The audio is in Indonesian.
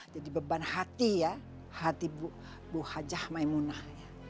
jadi beban hati ya hati bu hajah maimunah